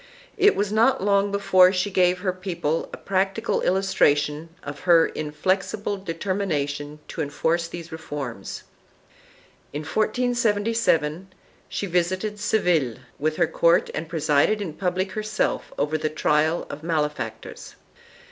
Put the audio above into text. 4 It was not long before she gave her people a practical illustration of her inflexible determination to enforce these reforms. In 1477 she visited Seville with her court and presided in public herself over the trial of malefactors.